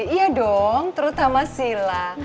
iya dong terutama silah